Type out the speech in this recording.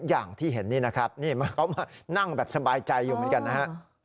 อย่างที่เห็นนี่นะครับนี่เขามานั่งแบบสบายใจอยู่เหมือนกันนะฮะ